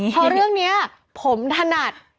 เพราะเรื่องนี้ผมถนัด